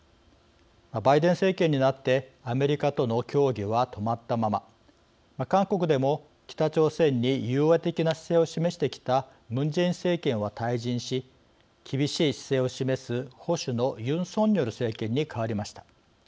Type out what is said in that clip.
バイデン政権になってアメリカとの協議は止まったまま韓国でも北朝鮮に融和的な姿勢を示してきたムン・ジェイン政権は退陣し厳しい姿勢を示す保守のユン・ソンニョル政権に替わりました。